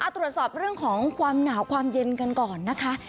ตรวจสอบเรื่องของความหนาวความเย็นกันก่อนนะคะ